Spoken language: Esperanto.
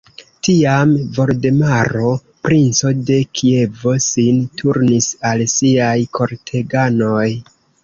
Tiam Voldemaro, princo de Kievo, sin turnis al siaj korteganoj.